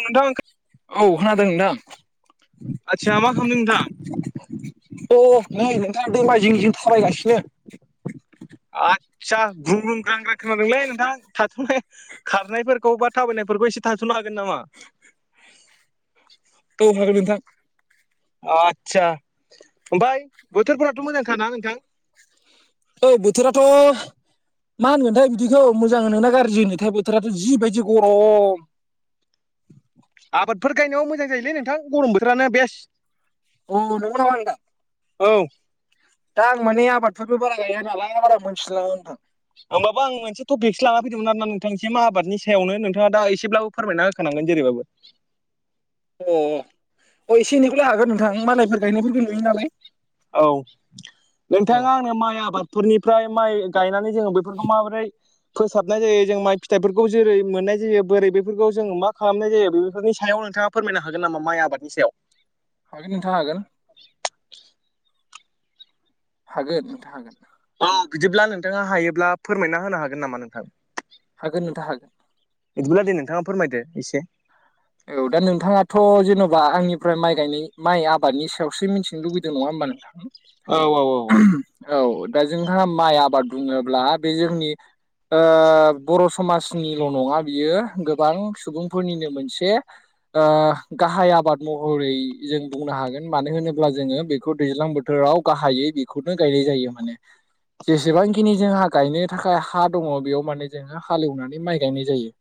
नोंथां औ खोनादों आदसा मा खालामदों नोंथां। अ नै नोंथाङा दैमाय जिं जिं थाबायगासिनो। आदसा गुं ग ग्रांग्रा खोनादोंलै नोंथां थाथ'नाय खारनायफोरखौ बा थाबायनायफोरखौ एसे थांस'नो हागोन नामा? औ हागोन नोंथां। आस्सा ओमफ्राय बोथोरफोराथ' मोजांखाना नोंथां? औ ओ बोथोराथ' मा होनगोनथाय बिदिखौ मोजां नोंना गाज्रि होनोथाय बोथोराथ' जिबायदि गरम। आबादफोर गायनायाव मोजां जायोलै नोंथां गरम बोथोरानो बेस्ट। औ नोंगौ नामा नोंथां? औ दा आं माने आबादफोरबो बारा गाया नालाय बारा मोनथि लाङो नोंथां। होमबाबो आं मोनसे टपिकसो लाना फैदोंमोन आरो ना नोंथांनिसिम आबादनि सायावनो नोंथाङा दा एसेब्लाबो फोरमायना होखानांगोन जेरैबाबो। अ अ एसे एनैखौलाय हागोन नोंथां मालायफोर गायनायखौ नुयो नालाय। औ औ नोंथाङा आंनो माइ आबाद फोरनिफ्राय माइ गायनानै जोंङो बेफोरखौ माबोरै फोसाबनाय जायो जों माइ फिथाइफोरखौ जेरै मोननाय जायो बोरै बेफोरखौ जों मा खालामनाय जायो बेफोरनि सायाव नोंथाङा फोरमायनो हागोन नामा माइ आबादनि सायाव? हागोन नोंथाङा हागोन। हागोन नोंथां हागोन। औ बिदिब्ला नोंथाङा हायोब्ला फोरमायना होनो हागोन नामा नोंथां? हागोन नोंथा हागोन। बिदिब्ला दे नोंथाङा फोरमायदो एसे। औ दा नोंथाङाथ' जेन'बा आंनिफ्राय माइ गायनाय माइ आबादनि सायावसो मिथिनो लुबगैदों नङा होमबा नोंथां? औ औ औ औ दा जोंहा माइ आबाद बुङोब्ला बे जोंनि बर' समाजनिल' नङा बियो गोबां सुबुंफोरनिनो मोनसे दे गाहाय आबाद महरै जों बुंनो हागोन मानो होनोब्ला जोङो बेखौ दैज्लां बोथोर बोथोराव गाहायै बेखौनो गायनाय जायो माने जेसेबांखिनि जोंहा गायनो थाखाय हा दङ बेयाव माने जोङो हालेवनानै माइ गायनाय जायो‌‌।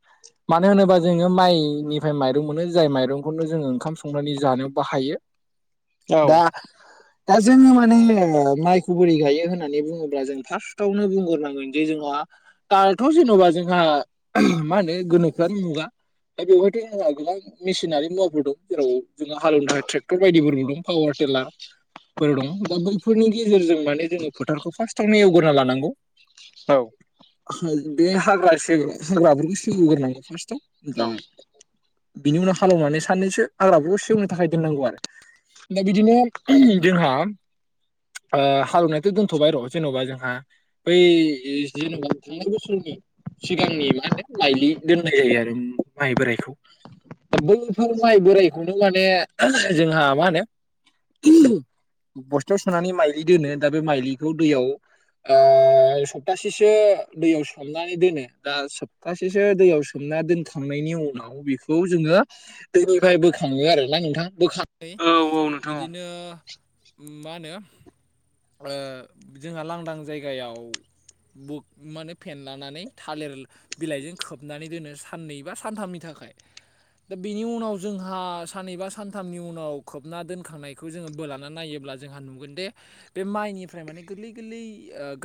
मानो होनोबा जोङो माइनि ओमफ्राय माइरं मोनो जाय माइरंखौनो जोङो ओंखाम संनानै जानायाव बाहायो। औ दा दा जोङो माने माइखौ बोरै गायो होननानै बुङोब्ला जों फार्स्टावनो बुंग्रोनांगोन। जोंहा दाथ' जेन'बा जोंहा मा होनो गोनोखोानो मुगा दा बेवहाय [unintelligible] मेसिनारि मुाफोर दं जेराव जोंङो हालेवनो थाखाय ट्रेक्टर बायदिफोरबो दं पावार टिला फोर दं दा बैफोरनि गेजेरजों माने जोङो फोथारखौ फार्स्टआवनो एवगा लानांगौ औ बे हाग्रा हाग्राफोरखौ सोगग्रोनांगौ फार्स्टआव दा औ बिनि उनाव हालवनानै सानैनैसो आग्रााबखौ सेवनो थाखाय दोननांगौ आरो दा बिदिनो जोंहा हालेवनायाथ' दोनथ'बाय र' जेन'बा जोंहा बै जेनेबा थांनाय बोसोरनि सिगांनि मा होनो लइलि दोननाय जायो आरो माइ बोराय दा बैफोर माइ बोरायखौनो माने जोंहा मा होनो बस्थायाव सोनानै माइलि दोनो दा बे माइलिखौ दैयाव सप्तासेसो दैयाव सनानै दोनो दा सप्तासेसो दैयाव सोमना दोनखांनायनि उनाव बेखौ जोङो दैनिफ्राय बोखाङो आरोना नोंथां बोखा औ औ नोंथां औ बिदिनो मा होनो ओ जोंहा लांदां जायगायाव ब माने फेनलानानै थालिर बिलाइजों खोबनानै दोनो साननै बा सानथामनि थाखाय [inaudible] दा बेनि उनाव जोंहा साननबा सानथामनि उनाव खोबना दोनखांनायखौ जोङो बोलाना नायोब्ला जोंहा नुगोन दे बे माइनिफ्राय माने गोरलै गोरलै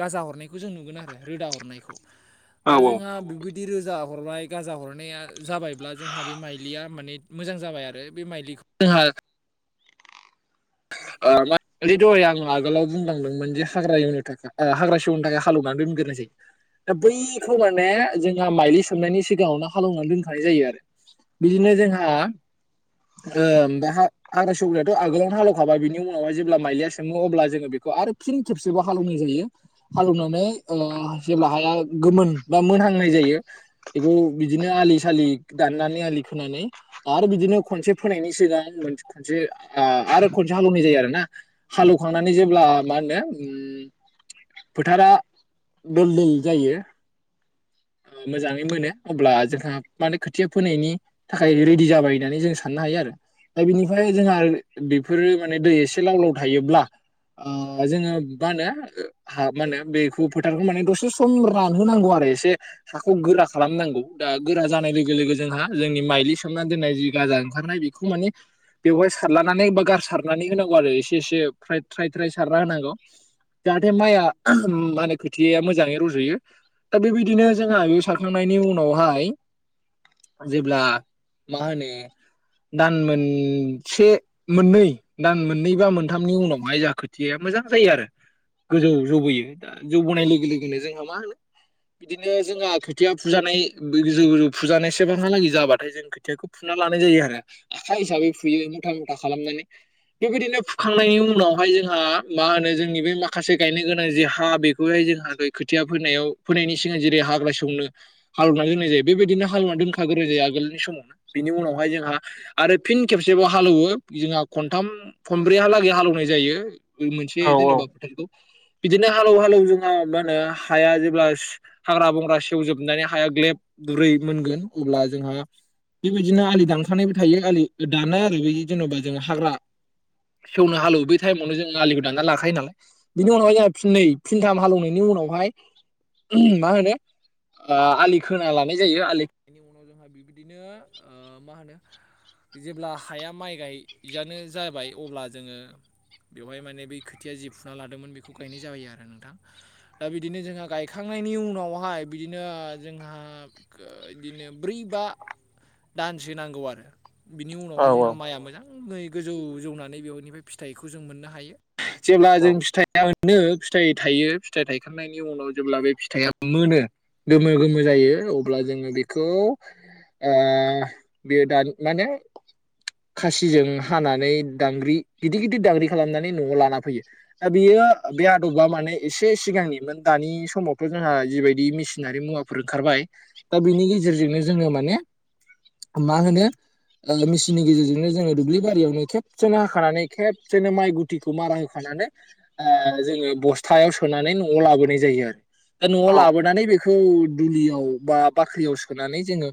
गाजा हरनायखौ जों नुगोन आरो रोदा हरनायखौ औ दा जोंहा बेबायदि रोजा हरबाय गाजा हरनाया जाबायब्ला जोंहा बे माइलिया माने मोजां जाबाय आरो बे माइलिखौ जोंहा मानलि दहाय आं आगोलाव बुंलांदोंमोन जे हाग्रा एवनो थाखाय हाग्रा सेवौनि थाखाय हालेवनानै दोनग्रोननाय जायो दा बैखौ माने जोंहा माइलि सोमनायनि सिगाङावनो हालेवनानै दोनखानाय जायो आरो बिदिनो जोंहा हाग्रा सौग्रायाथ' आगोलावनो हाल थाबाय बिनि उनावहाय जेब्ला माइलिया सोमो अब्ला जोङो बेखौ आरो फिन खेबसेबो हालेवनाय जायो हालेवनानै जेब्ला हाया गोमोन बा मोनहांनाय जायो बेखौ बिदिनो आलि सालि दाननानै आलि खोनानै आरो बिदिनो खनसे फोनायनि सिगां खनसे आरो हालौनाय जायो आरो ना हालेवखांनानै जेब्ला मा होनो उम फोथारा दोल दोल जायो [inaudible] मोजाङै मोनो अब्ला जोंहा माने खोथिया फोनायनि थाखाय रेडि जाबाय होननानै जों साननो हायो आरो दा बिनिफ्राय जोंहा बेफोरो माने दै एसे लाव लाव थायोब्ला जोङो मा होनो हा मा होनो बेखौ फोथारखौ माने दसे एसे सम रानहोनांगौ आरो एसे हाखौ गोरा खालामनांगौ दा गोरा जानाय लोगो लोगो जोंहा जोंनि माइलि सोमना दोननाय जि गाजा ओंखारनाय बे मान बेवहाय सारलानानै बा गा होनांगौ आरो इसे एसे थ्राय थ्राय सारना होनांगौ जाहाथे माइआ मा होनो खोथिाया मोजाङै रज'यो दा बेबायदिनो जोंहा बेयाव सारखांनायनि उनावहाय जेब्ला मा होनो दान मोन से मोननै दान मोननै बा मोनथामनि उनावहाय जा खोथिया मोजां जायो आरो गोजौ जौबोयो दा जौबोनाय लोगो लोगोनो जोंहा मा होनो बिदिनो जोंहा खोथिया फुजानाय फुजानाय सेबांहालागै जाबाथाय जों खोथियाखौ फुना लानाय जायो आरो आखाइ हिसाबै फुयो मथा मथा खालामनानै बेबायदिनो फुखांनायनि उनावहाय जोंहा मा होनो जोंनि बे माखासे गायनो गोनां जि हा बे बेखौहाय जोंहा खोथिया फोनायाव फोनायनि सिगां जेरै हाग्रा संनो हालौना दोननाय जायो बेबायदिनो हालुवना दोनखाग्राय जायो आगोलनि समावनो बिनि उनावहाय जोंहा आरो फिन खेबसेब हालौवो जोंहा खनथाम खनब्रैहालागै हालेवनाय जायो मोनसे औ औ जेनेबा फोथारखौ बिदिनो हालौ हालौ जोंहा मा होनो हाया जेब्ला हाग्रा बंग्रा सेवजोबनानै हाया ग्लेब दुरै मोनगोन अब्ला जोंहा बेबायदिनो आलि दानखांनायबो थायो आलि दानाय आरो बे जेन'बा जों हाग्रा सेवनो हालवैटाइमावनो जोंङो आलिखौ दानना लाखायो नालाय बिनि उनावहाय जोंहा फिनै फिनथाम हालेवनायनि उनावहाय मा होनो आलि खोना लानाय जायो आलि खोनायनि उनाव जोंहा बिबायदिनो मा होनो जेब्ला हाया माइ गाय जियानो जाबाय अब्ला जोङो बेवहाय माने बै खोथिया जि फुना लादोंमोन बेखौ गायनाय जाबायो आरो नोंथां दा बिदिनो जोंहा गायखांनायनि उनावहाय बिदिनो जोंहा बिदिनो ब्रै बा दानसो नांगौ आरो बिनि उनावहाय जोंहा माइआ मोजां नै गोजौ जौनानै बेवनिफ्राय फिथाइखौ जों मोननो हायो जेब्ला जों फिथाइ मोनो फिथाय थायो फिथाय थायखां नायनि उनाव जेब्ला बे फिथाइया मोनो गोमो गोमो जायो अब्ला जोङो बेखौ ओ बेयो दानि माने खासिजों हानानै दांग्रि गिदिर गिदिर दांग्रि खालामनानै न'आव लाना फैयो दा बियो बे आदबा माने एसे सिगांनिमोन दानि समावथ' जोंहा जिबायदि मेसिनारि मुवा फोर ओंखारबाय दा बिनि गेजेरजोंनो जोङो माने मा होनो मेसिननि गेजेरजों नो जोङो दुब्लि बारियावनो खेबसेनो हाखानै खेबसेनो माइ गुथिखौ मारा होखानानै जोङो बस्थायाव सोनानै न'आव लाबोनाय जायो आरो दा न'आव लाबोनानै बेखौ दुलियाव बा बाख्रियाव सोनानै जोङो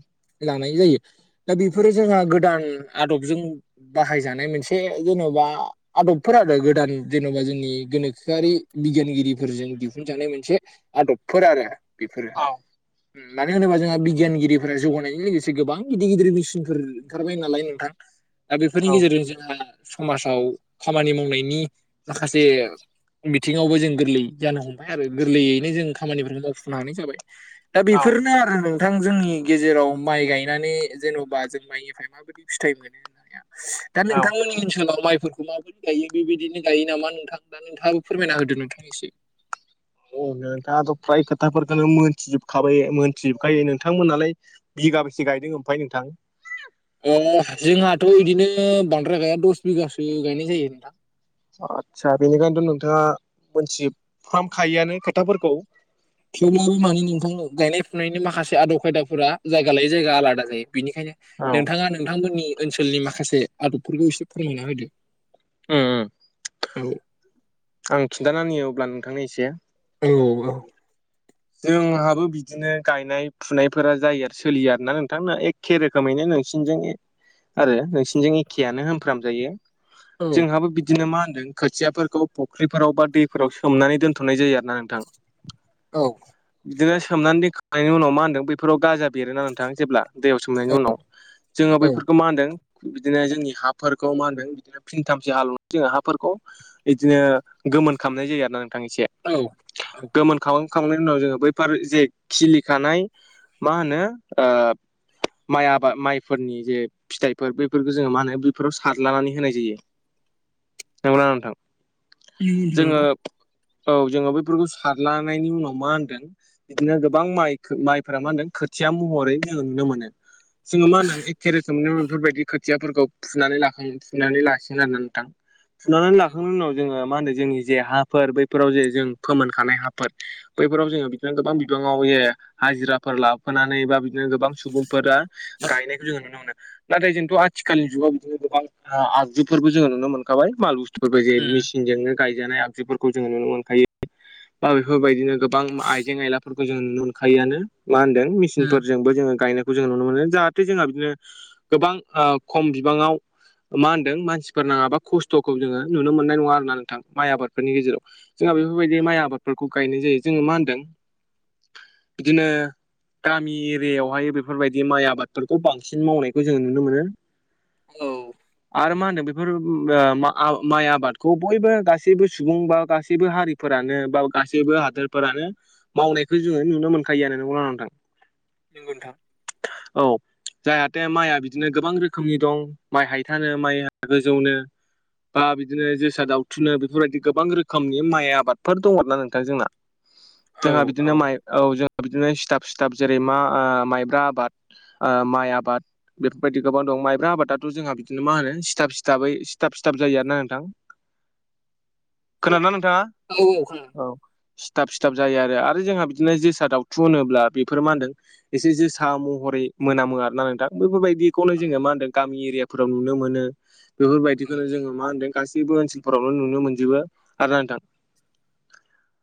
लानाय जायो दा बेफोरो जोंहा गोदान आदब जों बाहायजानाय मोनसे जेन'बा आदबफोर आरो गोदान जेन'बा जोंनि गोनोखोआरि बिगियानगिरिफोरजों दिहुनजानाय मोनसे आदबफोर आरो बेफोरो मानो होनोबा जोंहा बिगियानगिरिफोरा जौगानायजों लोगोसे गोबां गिदिर गिदिर मेसिनफोर ओंखारबाय नालाय नोंथां दा बेफोरनि गेजेरजों जोंहा समाजाव खामानि मावनायनि माखासे बिथिङावबो जों गोरलै जानो हमबाय आरो गोरलैयैनो जों खामानिफोरखौ मावफुंनो हानाय जाबाय दा औ बेफोरनो आरो नों थां जोंनि गेजेराव माइ गायनानै जेन'बा जों माइनिफ्राय माबायदि फिथाइ मोनो होननाया दा औ औ नोंथांमोननि ओनसोलाव माइफोरखौ माबोरै गायो बेबायदिनो गायो नामा नोंथां दा नोंथाङाबो फोरमायना होदो नोंथां एसे अ नोंथाङाथ' फ्राय खोथाफोरखौनो मोनथिजोबखाबाय मोनथिजोबखायो नोंथांमोनालाय बिघा बेसे गायदों ओमफ्राय नोंथां ओ जोंहाथ' बिदिनो बांद्राय गाया दस बिगासो गायनाय जायो नोंथां आदसा बेनिखायनोथ' नोंथाङा मोनथि फ्राम खायोआनो खोथाफोरखौ थेवब्लाबो माने नोंथां गायनाय फुनायनि माखासे आदब खायदाफोरा जायगा लायै जायगा आलादा जायो बेनिखायनो औ नोंथाङा नोंथांमोननि ओनसोलनि माखासे आदबफोरखौ एसे फोरमायना होदो औ आं खिन्थानानै होुयो अब्ला नोंथांनि एसे। औ औ। जोंहाबो बिदिनो गायनाय फुनायफोरा जायो आरो सोलियो आरोना नोंथां‌‌ एबा एखे रोखोमैनो नोंसिनिजों आरो नोंसिनिजों एखेयानो होनफ्राम जायो जोंहाबो बि बिदिनो मा होनदों खोथियाफोरखौ फुख्रिफोराव बा दैफोराव सोमनानै दोनथ'नाय जायो आरो ना नोंथां। औ बिदिनो सोमनानै दोनखांनायनि उनाव मा होनदों बेफोराव गाजा बेरोना नोंथां जेब्ला दैयाव सोमनायनि उनाव जोङो औ बैफोरखौ मा होनदों। बिदिनो जोंनि हाफोरखौ मा होनदों बिदिनो फिनथामसे हालवनानै जोङो हाफोरखौ बिदिनो गोमोन खालामामनाय जायो आरो ना नोंथां एसे औ। औ गोमोन खाव खांनायनि उनाव जोङो बैफोरार जे खिलिखानाय मा होनो। माइ आबाद माइफोरनि जे फिथाइफोर बेफोरखौ जोङो मा होनो बेफोराव सारलानानै होनाय जायो नंगौना नोंथां। जोङो नंगौ औ जोङो बैफोरखौ सारलांनायनि उनाव मा होनदों बिदिनो गोबां म् माइफोरा मा होनदों खोथिया महरै जों नुनो मोनो। जोङो मा होनदों एक केेरेेज स मोन बेफोरबायदि खोथियाफोरखौ फुनानै लाखां फुनानै लाखिगोन आरोनानै नथां फुनानै औ लाखांनायनि उनाव जोङो मा होनो जोंनि जे हाफोर बैफोराव जे जों फोमोनखानाय हाफोर बैफोराव जोङो बिदिनो गोबां बिबाङाव बे हाजिराफोर लाफोनानै बा बि गोबां सुबुंफोरा गायनायखौ जोङो नुनो मोनो। नाथाय जोंथ' आथिखालनि जुगाव बिदिनो गोबां आगजुफोरबो जोङो नुनो मोनखाबाय माल बुस्थुफोरबो जे मिसि नो गायजानाय आगजुफोरखौ जोङो नुनो मोनखायो बा बेफोरबायदिनो गोबां आइजें आयलाफोरखौ। जोंो नुनो मोनखायोआानो मा होनदों मेसिनफोरजोंबो जोङो गायनायखौ जों नुनो मोनो जाहाथे जोंहा बिदिनो गोबां खम बिबाङाव मा होनदों मानसिफोर नाङाबा खस्थ'खौ जोङो नुनो मोननाय नङा आरो ना नोंथां माइ आबादफोरनि गेजेराव जोंहा बेफोरबायदि माइ आबादफोरखौ गायनाय जायो जोङो मा होनदों बिदिनो। गामि एरियायावहाय बेफोरबायदि माइ आबादफोरखौ बांसिन मावनायखौ जों नुनो मोनो औ आरो मा होनदों बेफोर माइ आबादखौ बयबो गासैबो सुबुं बा गासैबो हारि फोरानो बा गासैबो हादोर फोरानो मावनायखौ जोङो नुनो मोनखायोानो नोंगौना नोंथां नोंथां औ जाहाथे माइया बिदिनो गोबां रोखोमनि दं माइ हायथानो माइ गोजौनो बा बिदिनो जोसा दाउथुनो बेफोरबायदि गोबां रोखोमनि माइ आबादफोर दङ आरो ना नोंथां जोंना जोंहा बिदिनो माइ औ जोंहा बिदिनो सिथाब सिथाब जेरै मा माइब्रा आबाद। माइ आबाद। बेफोरबायदि गोबां दं माइब्रा आबादाथ' जोंहा बिदिनो मा होनो सिथाब सिथाबै सिथाब सिथाब जायो आरोना नोंथां खोनाना नोंथाङा औ औ खोनादों औ। सिथाब सिथाब जायो आरो जोंहा बिदिनो जोसा दाावथु होनोब्ला बेफोर मा होनदों। एसे जोसा महरै मोनामो आरो ना नोंथां बेफोरबायदि बेखौनो जोङो मा होनदों गामि एरिया फोराव नुनो मोनो औ बेफोरबायदिखौनो जोङो मा होनदों गास बेबो ओनसोलफोरावनो नुनो मोनजोबो आरो नोंथां।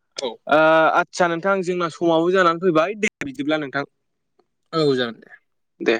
औ। आदसा नोंथां जोंना समावबो जानानै फैबाय दे बिदिब्ला नोंथां। औ जागोन दे दे